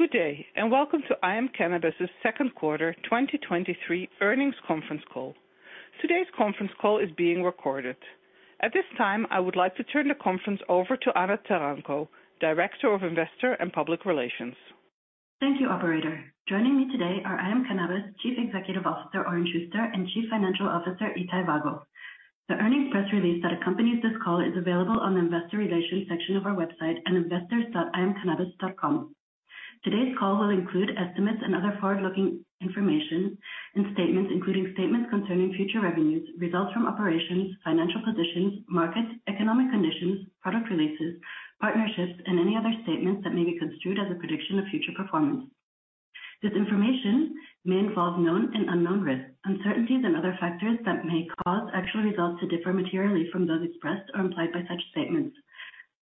Good day, and welcome to IM Cannabis' second quarter 2023 earnings conference call. Today's conference call is being recorded. At this time, I would like to turn the conference over to Anna Taranko, Director of Investor and Public Relations. Thank you, operator. Joining me today are IM Cannabis Chief Executive Officer, Oren Shuster, and Chief Financial Officer, Itay Vago. The earnings press release that accompanies this call is available on the investor relations section of our website at investors.imcannabis.com. Today's call will include estimates and other forward-looking information and statements, including statements concerning future revenues, results from operations, financial positions, markets, economic conditions, product releases, partnerships, and any other statements that may be construed as a prediction of future performance. This information may involve known and unknown risks. Uncertainties and other factors that may cause actual results to differ materially from those expressed or implied by such statements.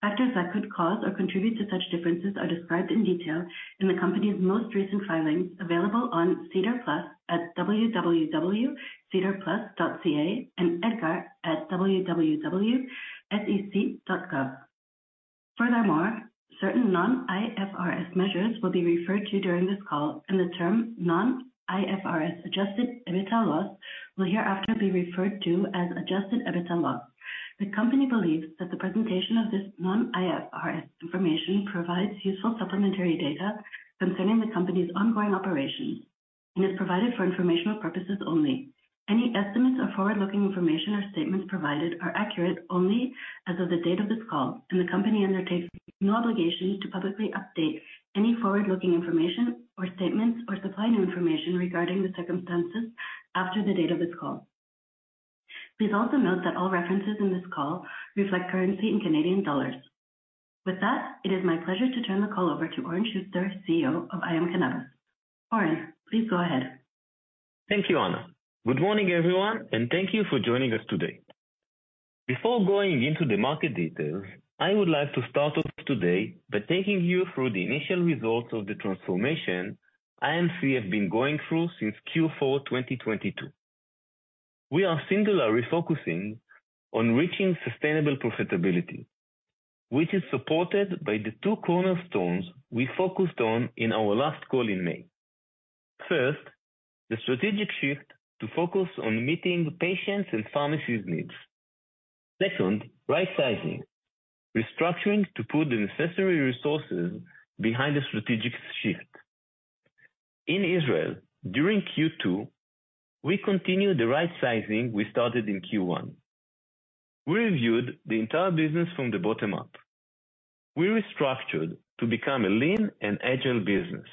Factors that could cause or contribute to such differences are described in detail in the company's most recent filings, available on SEDAR+ at www.sedarplus.ca and EDGAR at www.sec.gov. Furthermore, certain non-IFRS measures will be referred to during this call, and the term non-IFRS adjusted EBITDA loss will hereafter be referred to as adjusted EBITDA loss. The company believes that the presentation of this non-IFRS information provides useful supplementary data concerning the company's ongoing operations and is provided for informational purposes only. Any estimates or forward-looking information or statements provided are accurate only as of the date of this call, and the company undertakes no obligation to publicly update any forward-looking information or statements or supply new information regarding the circumstances after the date of this call. Please also note that all references in this call reflect currency in Canadian dollars. With that, it is my pleasure to turn the call over to Oren Shuster, CEO of IM Cannabis. Oren, please go ahead. Thank you, Anna. Good morning, everyone, and thank you for joining us today. Before going into the market details, I would like to start off today by taking you through the initial results of the transformation IMC have been going through since Q4, 2022. We are singularly focusing on reaching sustainable profitability, which is supported by the two cornerstones we focused on in our last call in May. First, the strategic shift to focus on meeting patients' and pharmacies' needs. Second, right-sizing. Restructuring to put the necessary resources behind the strategic shift. In Israel, during Q2, we continued the right-sizing we started in Q1. We reviewed the entire business from the bottom up. We restructured to become a lean and agile business,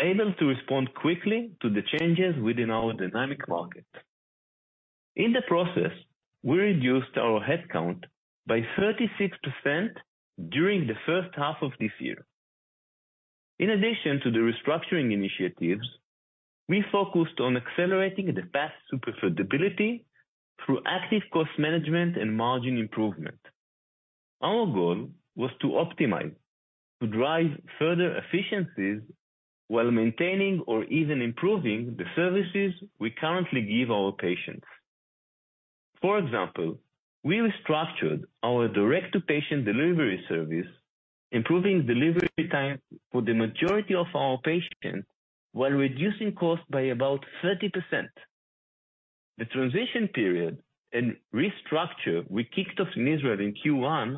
able to respond quickly to the changes within our dynamic market. In the process, we reduced our headcount by 36% during the first half of this year. In addition to the restructuring initiatives, we focused on accelerating the path to profitability through active cost management and margin improvement. Our goal was to optimize, to drive further efficiencies while maintaining or even improving the services we currently give our patients. For example, we restructured our direct-to-patient delivery service, improving delivery time for the majority of our patients while reducing costs by about 30%. The transition period and restructure we kicked off in Israel in Q1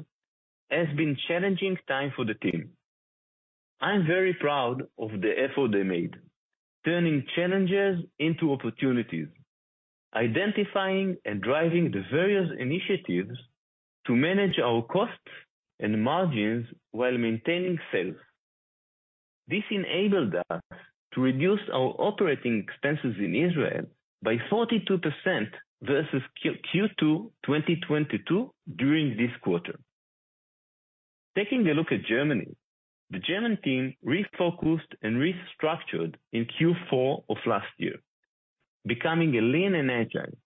has been challenging time for the team. I'm very proud of the effort they made, turning challenges into opportunities, identifying and driving the various initiatives to manage our costs and margins while maintaining sales. This enabled us to reduce our operating expenses in Israel by 42% versus Q2 2022 during this quarter. Taking a look at Germany, the German team refocused and restructured in Q4 of last year, becoming a lean and agile.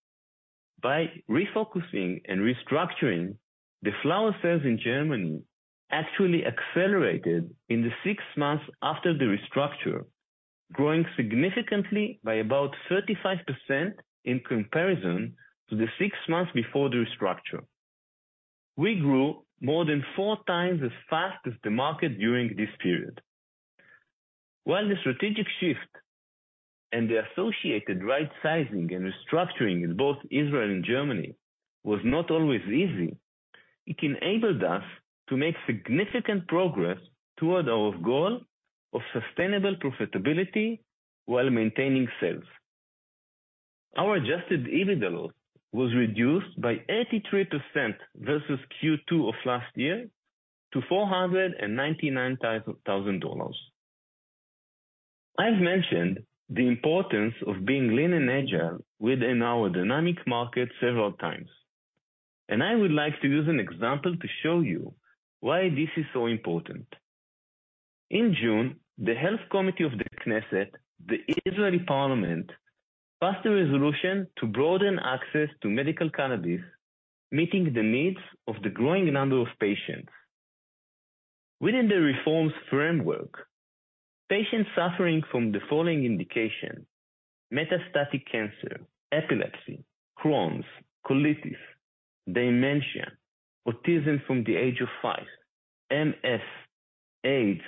By refocusing and restructuring, the flower sales in Germany actually accelerated in the six months after the restructure, growing significantly by about 35% in comparison to the six months before the restructure. We grew more than four times as fast as the market during this period. While the strategic shift and the associated right-sizing and restructuring in both Israel and Germany was not always easy, it enabled us to make significant progress toward our goal of sustainable profitability while maintaining sales. Our adjusted EBITDA loss was reduced by 83% versus Q2 of last year to $499,000. I've mentioned the importance of being lean and agile within our dynamic market several times. I would like to use an example to show you why this is so important. In June, the Health Committee of the Knesset, the Israeli parliament, passed a resolution to broaden access to medical cannabis, meeting the needs of the growing number of patients. Within the reforms framework, patients suffering from the following indications: metastatic cancer, epilepsy, Crohn's, colitis, dementia, autism from the age of five, MS, AIDS,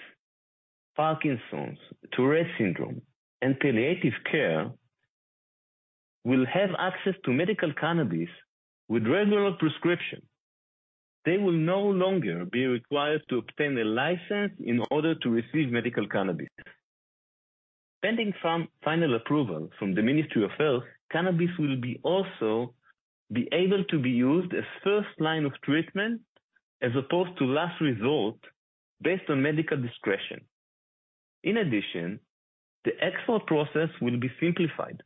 Parkinson's, Tourette syndrome, and palliative care, will have access to medical cannabis with regular prescription. They will no longer be required to obtain a license in order to receive medical cannabis. Pending from final approval from the Ministry of Health, cannabis will be also be able to be used as first line of treatment, as opposed to last resort, based on medical discretion. In addition, the export process will be simplified.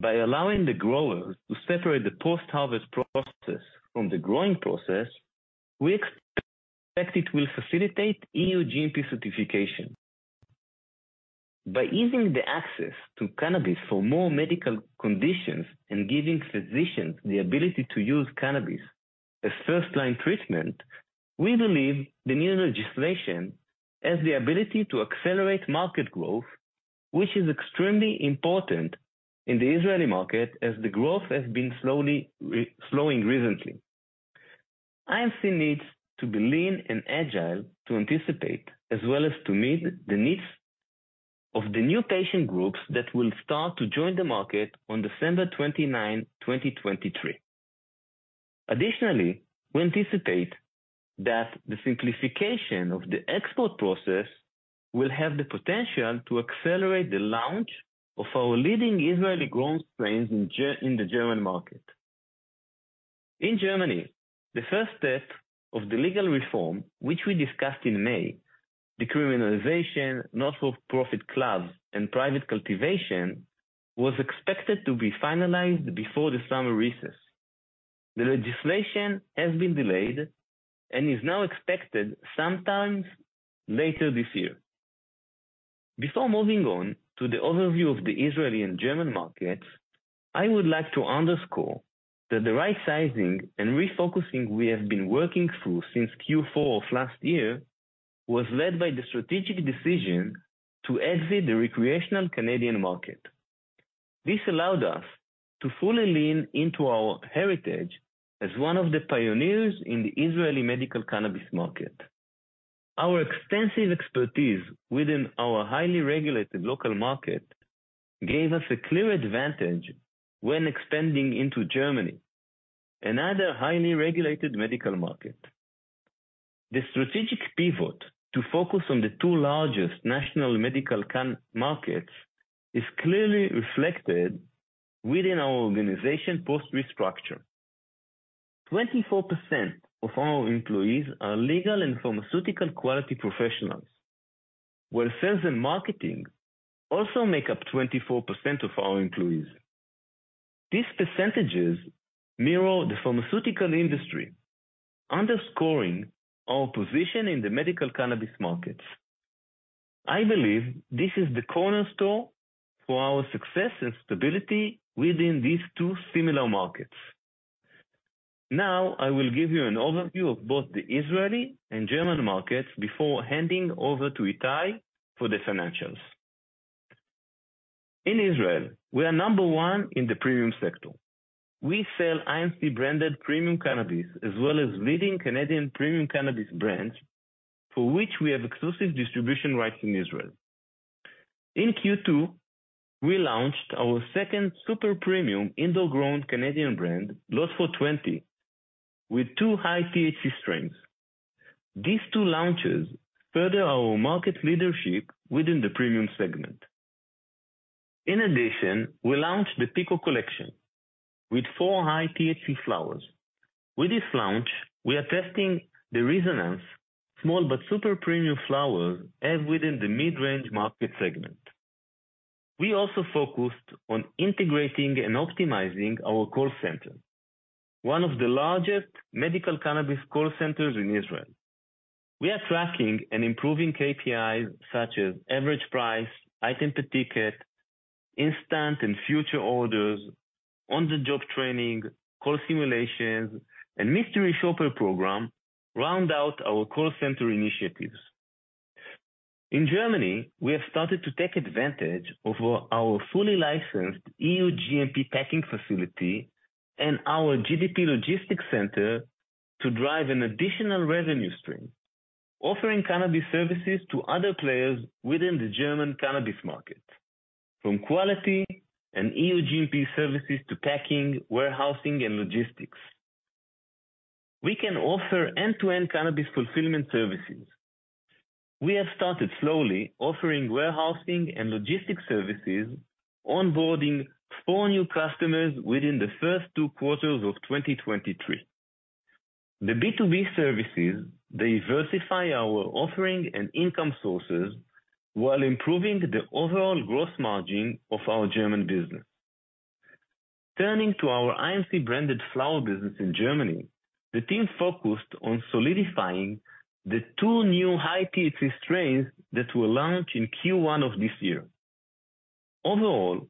By allowing the growers to separate the post-harvest process from the growing process, we expect it will facilitate EU GMP certification. By easing the access to cannabis for more medical conditions and giving physicians the ability to use cannabis as first-line treatment, we believe the new legislation has the ability to accelerate market growth, which is extremely important in the Israeli market, as the growth has been slowly slowing recently. IMC needs to be lean and agile to anticipate, as well as to meet the needs of the new patient groups that will start to join the market on December 29th, 2023. Additionally, we anticipate that the simplification of the export process will have the potential to accelerate the launch of our leading Israeli-grown strains in the German market. In Germany, the first step of the legal reform, which we discussed in May, decriminalization, not-for-profit clubs and private cultivation, was expected to be finalized before the summer recess. The legislation has been delayed and is now expected sometimes later this year. Before moving on to the overview of the Israeli and German markets, I would like to underscore that the right sizing and refocusing we have been working through since Q4 of last year, was led by the strategic decision to exit the recreational Canadian market. This allowed us to fully lean into our heritage as one of the pioneers in the Israeli medical cannabis market. Our extensive expertise within our highly regulated local market, gave us a clear advantage when expanding into Germany, another highly regulated medical market. The strategic pivot to focus on the two largest national medical can- markets, is clearly reflected within our organization post-restructure. 24% of our employees are legal and pharmaceutical quality professionals, while sales and marketing also make up 24% of our employees. These percentages mirror the pharmaceutical industry, underscoring our position in the medical cannabis markets. I believe this is the cornerstone for our success and stability within these two similar markets. Now, I will give you an overview of both the Israeli and German markets before handing over to Itay for the financials. In Israel, we are number one in the premium sector. We sell IMC-branded premium cannabis, as well as leading Canadian premium cannabis brands, for which we have exclusive distribution rights in Israel. In Q2, we launched our second super premium indoor-grown Canadian brand, Lot 420, with two high-THC strains. These two launches further our market leadership within the premium segment. In addition, we launched the Pico Collection with four high-THC flowers. With this launch, we are testing the resonance, small but super premium flowers, as within the mid-range market segment. We also focused on integrating and optimizing our call center, one of the largest medical cannabis call centers in Israel. We are tracking and improving KPIs such as average price, item per ticket, instant and future orders, on-the-job training, call simulations, and mystery shopper program, round out our call center initiatives. In Germany, we have started to take advantage of our fully licensed EU GMP packing facility and our GDP logistics center to drive an additional revenue stream, offering cannabis services to other players within the German cannabis market. From quality and EU GMP services to packing, warehousing, and logistics, we can offer end-to-end cannabis fulfillment services. We have started slowly offering warehousing and logistics services, onboarding four new customers within the first two quarters of 2023. The B2B services diversify our offering and income sources while improving the overall gross margin of our German business. Turning to our IMC-branded flower business in Germany, the team focused on solidifying the two new high-THC strains that were launched in Q1 of this year. Overall,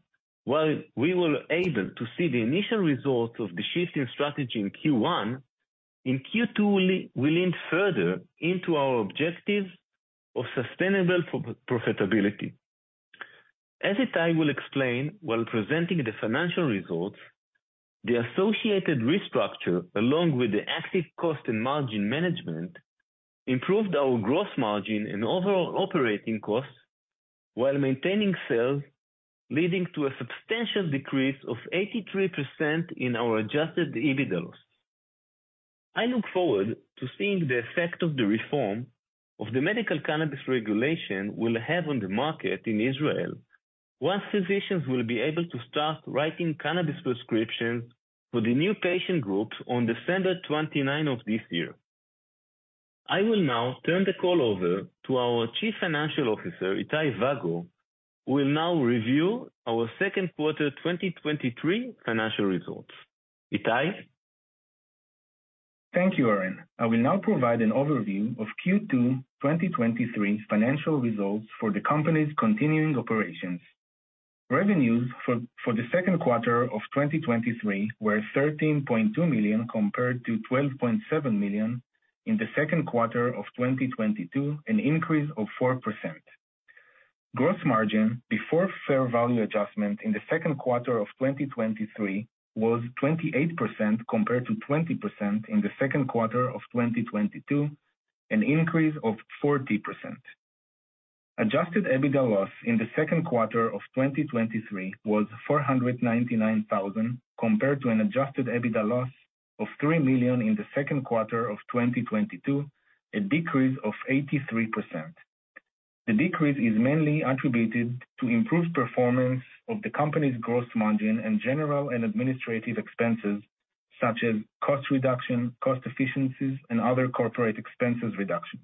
while we were able to see the initial results of the shift in strategy in Q1, in Q2, we leaned further into our objectives of sustainable pro-profitability. As Itay will explain while presenting the financial results, the associated restructure, along with the active cost and margin management, improved our gross margin and overall operating costs while maintaining sales, leading to a substantial decrease of 83% in our adjusted EBITDA loss. I look forward to seeing the effect of the reform of the medical cannabis regulation will have on the market in Israel, once physicians will be able to start writing cannabis prescriptions for the new patient groups on December 29 of this year. I will now turn the call over to our Chief Financial Officer, Itay Vago, who will now review our second quarter 2023 financial results. Itay? Thank you, Oren. I will now provide an overview of Q2 2023's financial results for the company's continuing operations. Revenues for the second quarter of 2023 were $13.2 million compared to $12.7 million in the second quarter of 2022, an increase of 4%. Gross margin before fair value adjustment in the second quarter of 2023 was 28% compared to 20% in the second quarter of 2022, an increase of 40%. Adjusted EBITDA loss in the second quarter of 2023 was $499,000, compared to an adjusted EBITDA loss of $3 million in the second quarter of 2022, a decrease of 83%. The decrease is mainly attributed to improved performance of the company's gross margin and general and administrative expenses, such as cost reduction, cost efficiencies, and other corporate expenses reduction.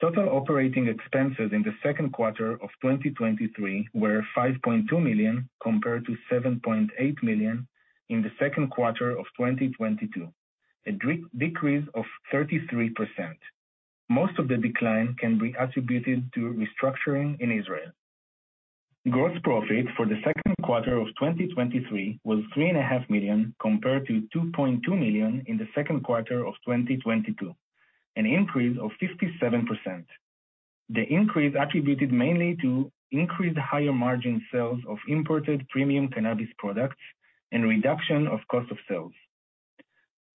Total operating expenses in the second quarter of 2023 were $5.2 million compared to $7.8 million in the second quarter of 2022, a decrease of 33%. Most of the decline can be attributed to restructuring in Israel. Gross profit for the second quarter of 2023 was $3.5 million, compared to $2.2 million in the second quarter of 2022, an increase of 57%. The increase attributed mainly to increased higher margin sales of imported premium cannabis products and reduction of cost of sales.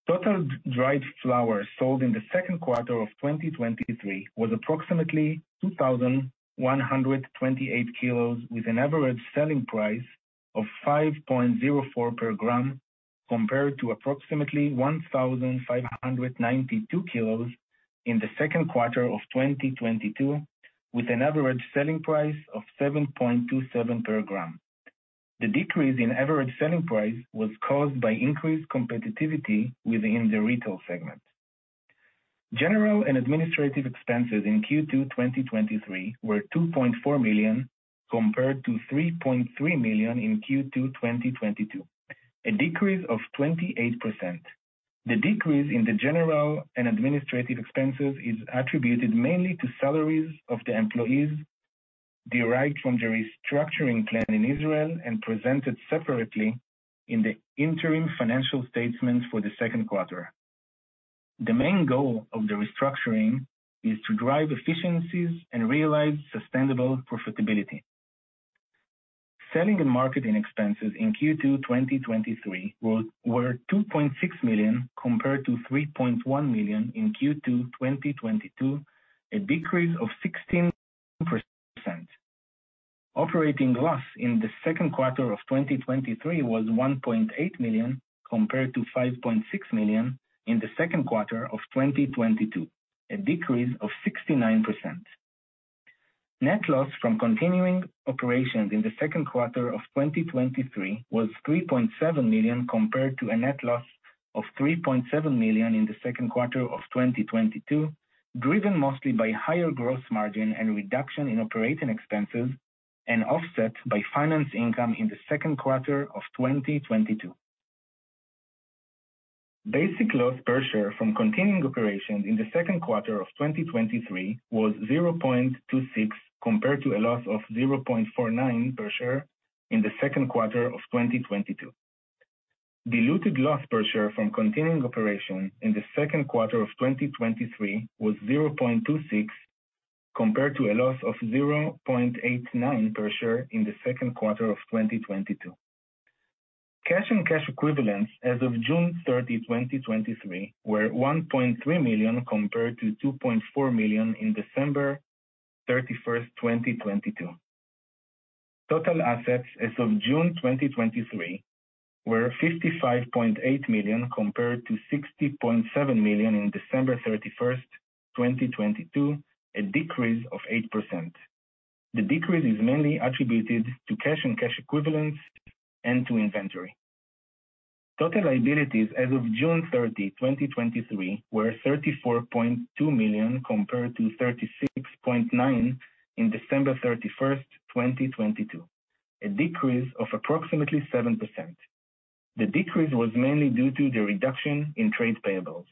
Total dried flowers sold in the second quarter of 2023 was approximately 2,128 kilos, with an average selling price of $5.04 per gram, compared to approximately 1,592 kilos in the second quarter of 2022, with an average selling price of $7.27 per gram. The decrease in average selling price was caused by increased competitivity within the retail segment. General and administrative expenses in Q2 2023 were $2.4 million compared to $3.3 million in Q2 2022, a decrease of 28%. The decrease in the general and administrative expenses is attributed mainly to salaries of the employees derived from the restructuring plan in Israel and presented separately in the interim financial statements for the second quarter. The main goal of the restructuring is to drive efficiencies and realize sustainable profitability. Selling and marketing expenses in Q2 2023 were $2.6 million compared to $3.1 million in Q2 2022, a decrease of 16%. Operating loss in the second quarter of 2023 was $1.8 million, compared to $5.6 million in the second quarter of 2022, a decrease of 69%. Net loss from continuing operations in the second quarter of 2023 was $3.7 million, compared to a net loss of $3.7 million in the second quarter of 2022, driven mostly by higher gross margin and reduction in operating expenses, and offset by finance income in the second quarter of 2022. Basic loss per share from continuing operations in the second quarter of 2023 was $0.26, compared to a loss of $0.49 per share in the second quarter of 2022. Diluted loss per share from continuing operation in the second quarter of 2023 was $0.26, compared to a loss of $0.89 per share in the second quarter of 2022. Cash and cash equivalents as of June 30, 2023, were $1.3 million compared to $2.4 million in December 31st, 2022. Total assets as of June 2023 were $55.8 million compared to $60.7 million in December 31st, 2022, a decrease of 8%. The decrease is mainly attributed to cash and cash equivalents and to inventory. Total liabilities as of June 30th, 2023, were $34.2 million compared to $36.9 million in December 31st, 2022, a decrease of approximately 7%. The decrease was mainly due to the reduction in trade payables.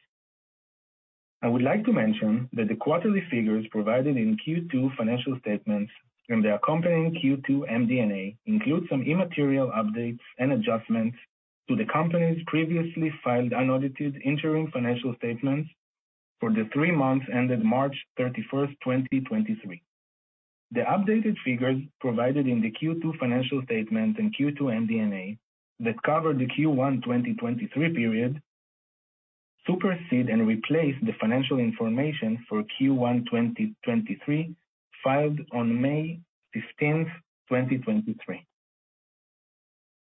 I would like to mention that the quarterly figures provided in Q2 financial statements and their accompanying Q2 MD&A include some immaterial updates and adjustments to the company's previously filed unaudited interim financial statements for the three months ended March 31st, 2023. The updated figures provided in the Q2 financial statement and Q2 MD&A that cover the Q1 2023 period, supersede and replace the financial information for Q1 2023, filed on May 15th, 2023.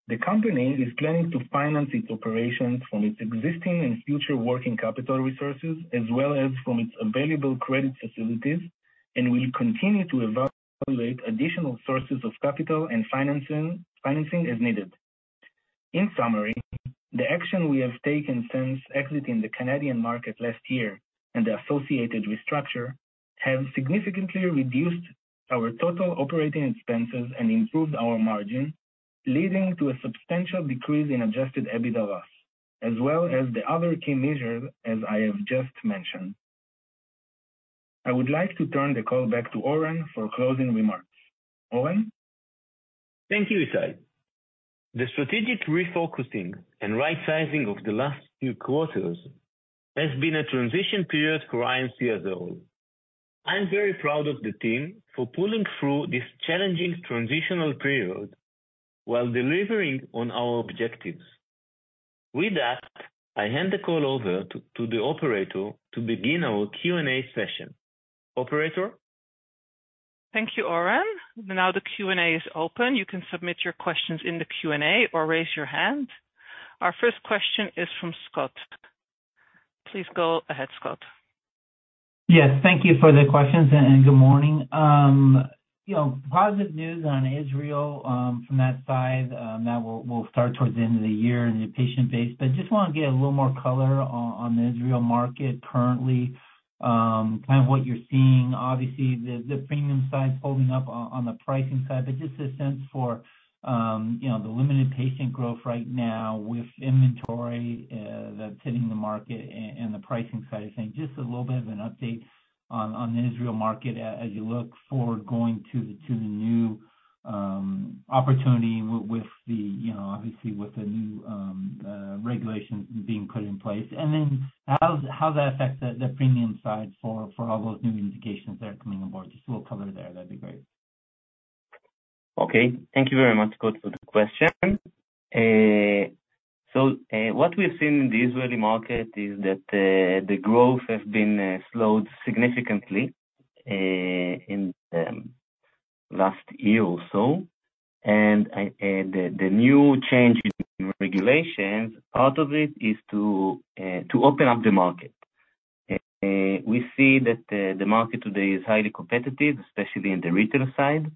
The company is planning to finance its operations from its existing and future working capital resources, as well as from its available credit facilities, will continue to evaluate additional sources of capital and financing as needed. In summary, the action we have taken since exiting the Canadian market last year and the associated restructure, have significantly reduced our total operating expenses and improved our margin, leading to a substantial decrease in adjusted EBITDA, as well as the other key measures, as I have just mentioned. I would like to turn the call back to Oren for closing remarks. Oren? Thank you, Itay. The strategic refocusing and right-sizing of the last few quarters has been a transition period for IMC as a whole. I'm very proud of the team for pulling through this challenging transitional period while delivering on our objectives. With that, I hand the call over to the operator to begin our Q&A session. Operator? Thank you, Oren. Now the Q&A is open. You can submit your questions in the Q&A or raise your hand. Our first question is from Scott. Please go ahead, Scott. Yes, thank you for the questions, and, and good morning. You know, positive news on Israel, from that side, that will, will start towards the end of the year in the patient base. Just want to get a little more color on, on the Israel market currently. Kind of what you're seeing, obviously, the, the premium side is holding up on, on the pricing side, but just a sense for, you know, the limited patient growth right now with inventory that's hitting the market and, and the pricing side of things. Just a little bit of an update on, on the Israel market as you look forward going to the, to the new opportunity with the, you know, obviously, with the new regulations being put in place. How, how that affects the, the premium side for, for all those new indications that are coming aboard? Just a little color there, that'd be great. Okay, thank you very much, Scott, for the question. What we've seen in the Israeli market is that the growth has been slowed significantly in last year or so. The new change in regulations, part of it is to open up the market. We see that the market today is highly competitive, especially in the retail side.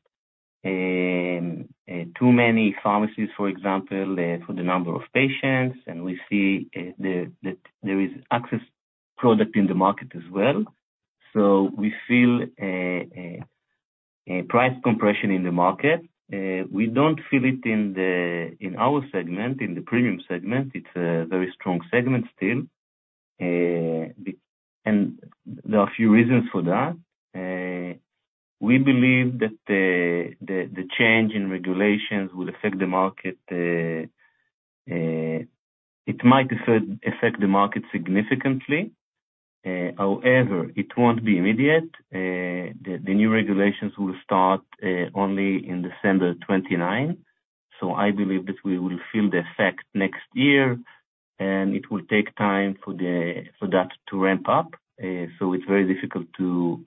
Too many pharmacies, for example, for the number of patients, and we see the, that there is excess product in the market as well. We feel a, a price compression in the market. We don't feel it in the, in our segment, in the premium segment. It's a very strong segment still, and there are a few reasons for that. We believe that the, the, the change in regulations will affect the market significantly, however, it won't be immediate. The, the new regulations will start only in December 29th. I believe that we will feel the effect next year, and it will take time for the, for that to ramp up. It's very difficult to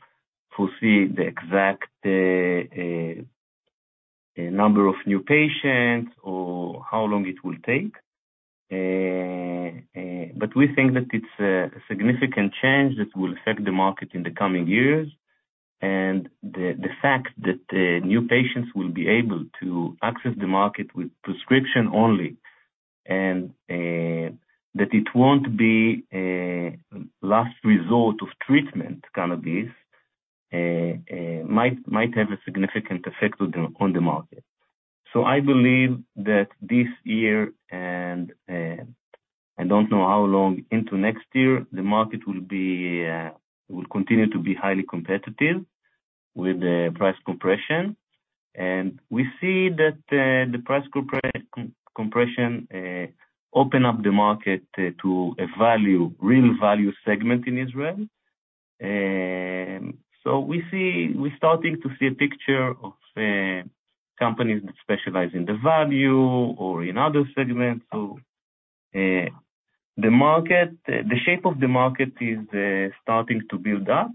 foresee the exact number of new patients or how long it will take. We think that it's a significant change that will affect the market in the coming years. The, the fact that new patients will be able to access the market with prescription only, and that it won't be a last resort of treatment cannabis might have a significant effect on the, on the market. I believe that this year, and I don't know how long into next year, the market will be, will continue to be highly competitive with the price compression. We see that the price compression open up the market to a value, real value segment in Israel. We're starting to see a picture of companies that specialize in the value or in other segments. The market, the shape of the market is starting to build up.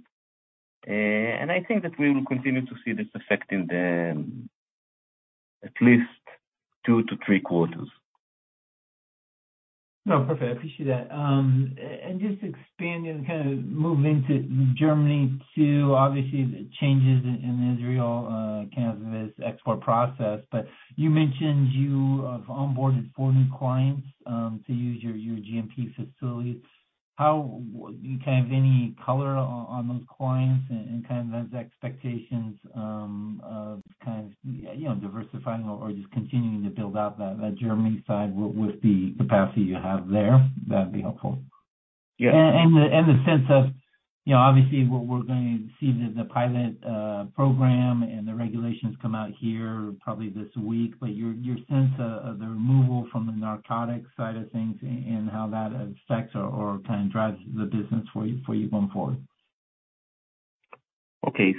I think that we will continue to see this affecting the, at least two to three quarters. No, perfect. I appreciate that. Just expanding and kind of moving to Germany, too. Obviously, the changes in Israel, kind of this export process. You mentioned you have onboarded four new clients to use your GMP facilities. Do you have any color on those clients and kind of those expectations, you know, of kind of diversifying or just continuing to build out that Germany side with the capacity you have there? That'd be helpful. The sense of, you know, obviously, what we're going to see the pilot program and the regulations come out here probably this week. Your sense of the removal from the narcotics side of things and how that affects or kind of drives the business for you going forward? Okay.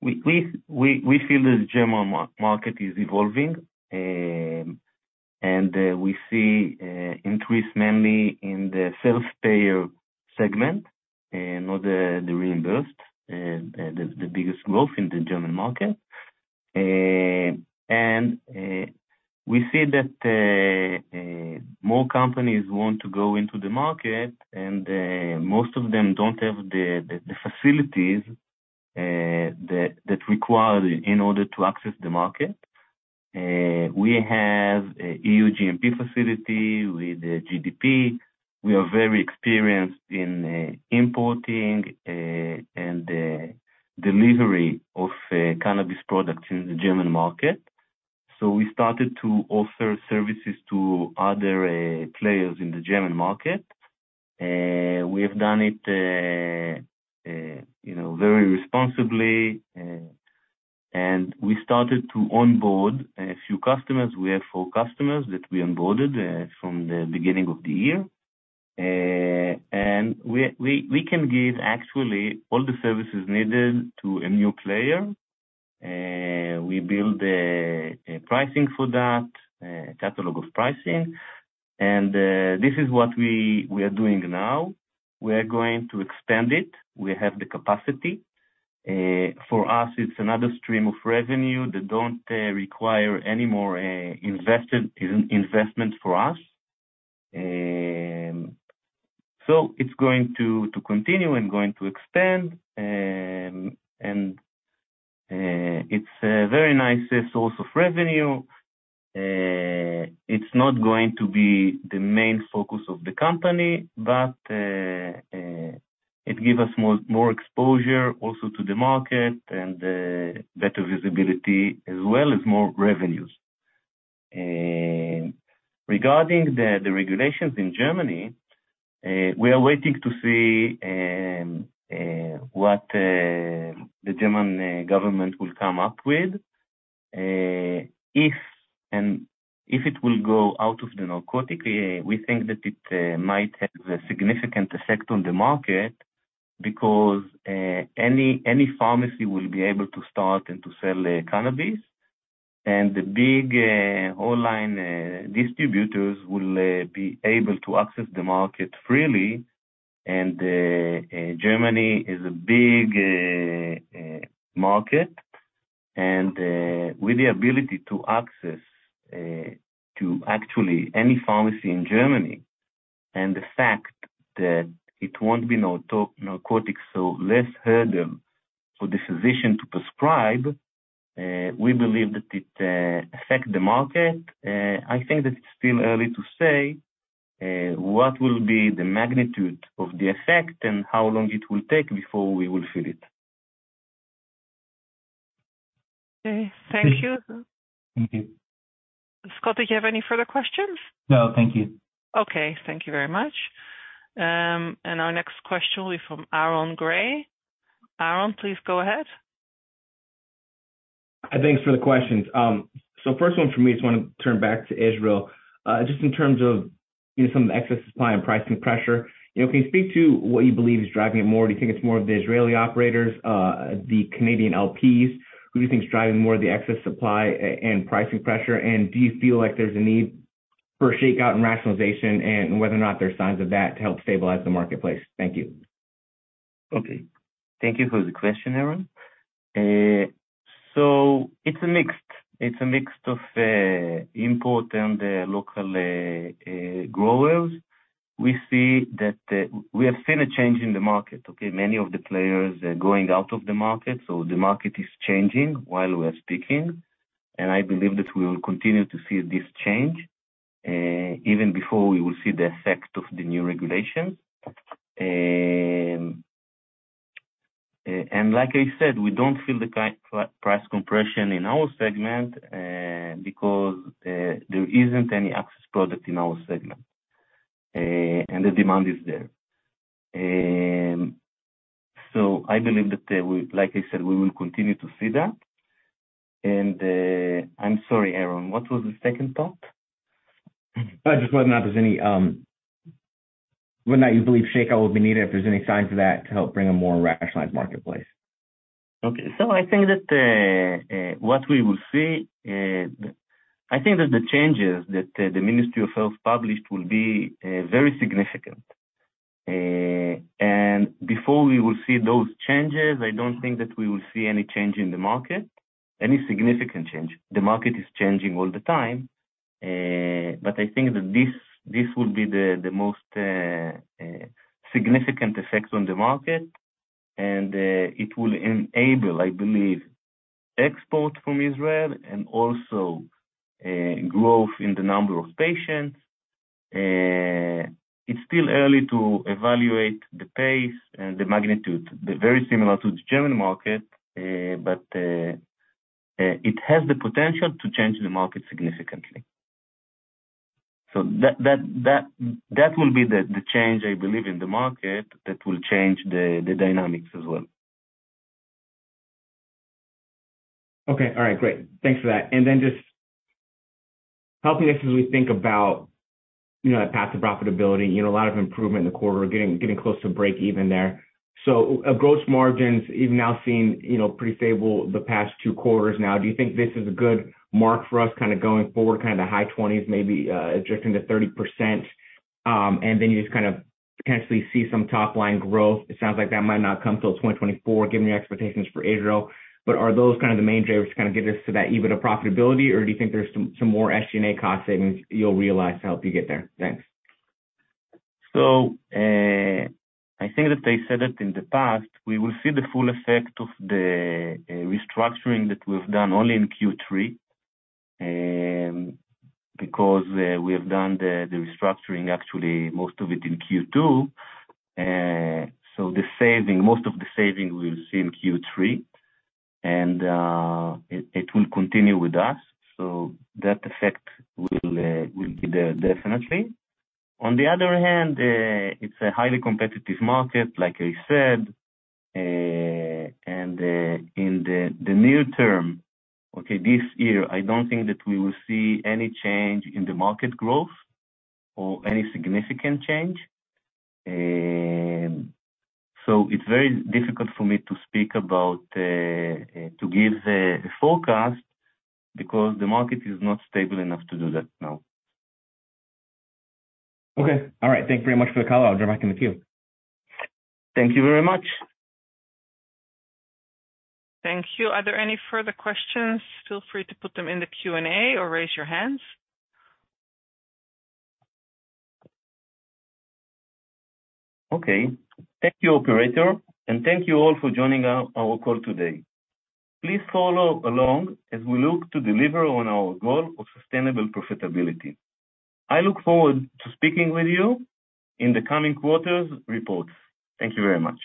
We, we, we, we feel the German market is evolving, and we see increase mainly in the self-payer segment and not the, the reimbursed, the, the biggest growth in the German market. We see that more companies want to go into the market, and most of them don't have the facilities that require in order to access the market. We have a EU GMP facility with a GDP. We are very experienced in importing, and delivery of cannabis products in the German market. We started to offer services to other players in the German market. We have done it, you know, very responsibly, and we started to onboard a few customers. We have four customers that we onboarded from the beginning of the year. We, we, we can give actually all the services needed to a new player, we build a pricing for that, a catalog of pricing, and this is what we are doing now. We're going to expand it. We have the capacity. For us, it's another stream of revenue that don't require any more investment for us. It's going to, to continue and going to extend, and it's a very nice source of revenue. It's not going to be the main focus of the company, it give us more, more exposure also to the market and better visibility as well as more revenues. Regarding the regulations in Germany, we are waiting to see what the German government will come up with. If it will go out of the narcotic, we think that it might have a significant effect on the market because any, any pharmacy will be able to start and to sell cannabis, and the big online distributors will be able to access the market freely. Germany is a big market, and with the ability to access to actually any pharmacy in Germany, and the fact that it won't be narcotics, so less hurdle for the physician to prescribe, we believe that it affect the market. I think that it's still early to say, what will be the magnitude of the effect and how long it will take before we will feel it. Okay, thank you. Thank you. Scott, did you have any further questions? No, thank you. Okay, thank you very much. Our next question will be from Aaron Grey. Aaron, please go ahead. Thanks for the questions. First one for me, I just want to turn back to Israel. Just in terms of, you know, some excess supply and pricing pressure, you know, can you speak to what you believe is driving it more? Do you think it's more of the Israeli operators, the Canadian LPs? Who do you think is driving more of the excess supply and pricing pressure, and do you feel like there's a need for a shakeout and rationalization and whether or not there are signs of that to help stabilize the marketplace? Thank you. Okay. Thank you for the question, Aaron. It's a mixed. It's a mixed of import and local growers. We see that we have seen a change in the market. Many of the players are going out of the market, so the market is changing while we are speaking, and I believe that we will continue to see this change even before we will see the effect of the new regulations. Like I said, we don't feel the price compression in our segment, because there isn't any access product in our segment, and the demand is there. I believe that, like I said, we will continue to see that. I'm sorry, Aaron, what was the second thought? Just whether or not there's any, whether or not you believe shakeout would be needed, if there's any signs of that to help bring a more rationalized marketplace. Okay. I think that what we will see, I think that the changes that the Ministry of Health published will be very significant. Before we will see those changes, I don't think that we will see any change in the market, any significant change. The market is changing all the time, but I think that this, this will be the, the most significant effect on the market. It will enable, I believe, export from Israel and also growth in the number of patients. It's still early to evaluate the pace and the magnitude. They're very similar to the German market, but-... It has the potential to change the market significantly. That, that, that, that will be the, the change, I believe, in the market, that will change the, the dynamics as well. Okay. All right, great. Thanks for that. Just helping us as we think about, you know, the path to profitability, you know, a lot of improvement in the quarter, we're getting, getting close to break even there. Gross margins, even now seeing, you know, pretty stable the past two quarters now, do you think this is a good mark for us kind of going forward, kind of the high 20s, maybe, adjusting to 30%? You just kind of potentially see some top-line growth. It sounds like that might not come till 2024, given your expectations for Adro. Are those kind of the main drivers to kind of get us to that EBITDA profitability, or do you think there's some, some more SG&A cost savings you'll realize to help you get there? Thanks. I think that they said it in the past, we will see the full effect of the restructuring that we've done only in Q3. Because we have done the restructuring, actually, most of it in Q2. The saving most of the saving we'll see in Q3, and it will continue with us. That effect will be there definitely. On the other hand, it's a highly competitive market, like I said, and in the near term, okay, this year, I don't think that we will see any change in the market growth or any significant change. It's very difficult for me to speak about to give a forecast because the market is not stable enough to do that now. Okay. All right. Thank you very much for the call. I'll get back in with you. Thank you very much. Thank you. Are there any further questions? Feel free to put them in the Q&A or raise your hands. Okay. Thank you, operator, and thank you all for joining our call today. Please follow along as we look to deliver on our goal of sustainable profitability. I look forward to speaking with you in the coming quarters' reports. Thank you very much.